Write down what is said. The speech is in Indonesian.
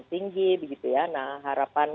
tinggi begitu ya nah harapan